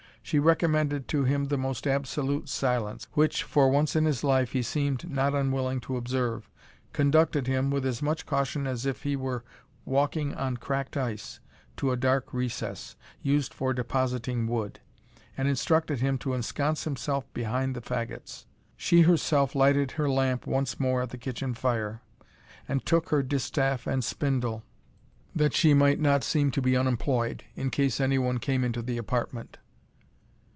She recommended to him the most absolute silence, which, for once in his life, he seemed not unwilling to observe, conducted him, with as much caution as if he were walking on cracked ice, to a dark recess, used for depositing wood, and instructed him to ensconce himself behind the fagots. She herself lighted her lamp once more at the kitchen fire, and took her distaff and spindle, that she might not seem to be unemployed, in case any one came into the apartment.